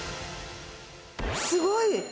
すごい。